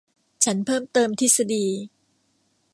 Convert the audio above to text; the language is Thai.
ฉันเพิ่มเติมทฤษฎี